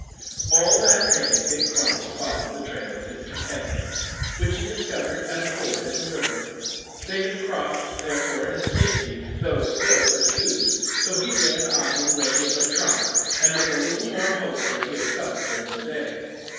All that day Dick Varley followed up the trail of his companions, which he discovered at a ford in the river. They had crossed, therefore, in safety, though still pursued; so he ran on at a regular trot, and with a little more hope than he had felt during the day.